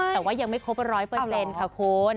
แต่ว่ายังไม่คบระด้อยเปอร์เซ็นต์ค่ะคุณ